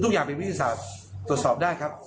อย่างเป็นวิทยาศาสตร์ตรวจสอบได้ครับ